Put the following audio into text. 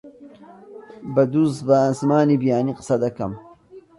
بە دوو زمانی بیانی قسە دەکەم.